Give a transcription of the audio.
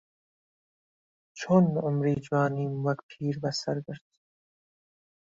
چۆن عومری جوانیم وەک پیربەسەر برد